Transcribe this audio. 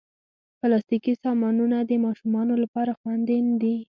پلاستيکي سامانونه د ماشومانو لپاره خوندې نه دي.